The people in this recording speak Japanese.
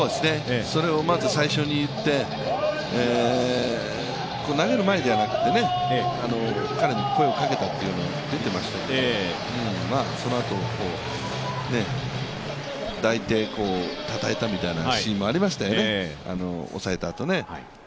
それをまず最初に言って、投げる前じゃなくて、彼に声をかけたというの、出ていましたけどそのあと、抱いてたたえたみたいなシーンもありましたよね、抑えたあとね。